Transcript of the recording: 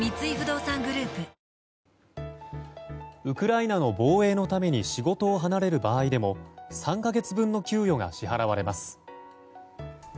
ウクライナの防衛のために仕事を離れる場合でも３か月分の給与が支払われます。